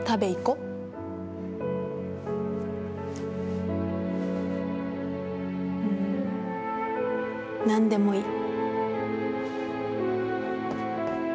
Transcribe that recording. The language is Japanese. うーん、何でもいい。